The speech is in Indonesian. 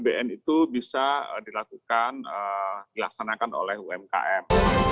bbm itu bisa dilakukan dilaksanakan oleh umkm